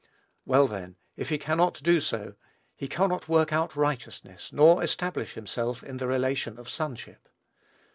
Well, then, if he cannot do so, he cannot work out righteousness, nor establish himself in the relation of sonship.